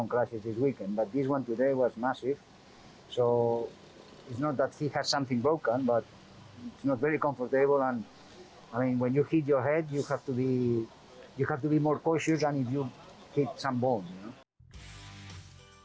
jadi tidak seperti dia memiliki sesuatu yang terbagi tapi tidak sangat nyaman dan ketika anda merasakan kepala anda harus lebih berhati hati dari jika anda menggigit